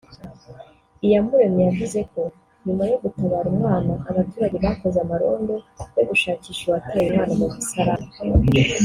Iyamuremye yavuze ko nyuma yo gutabara umwana abaturage bakoze amarondo yo gushakisha uwataye umwana mu musarane